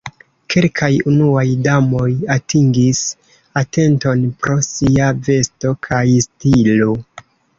Kelkaj unuaj damoj atingis atenton pro sia vesto kaj stilo.